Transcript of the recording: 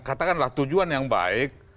katakanlah tujuan yang baik